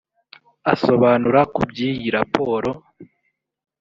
Asobanura ku by’iyi raporo